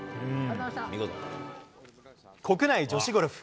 国内女子ゴルフ。